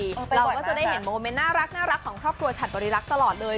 เราก็จะได้เห็นโมเมนต์น่ารักของครอบครัวฉัดบริรักษ์ตลอดเลย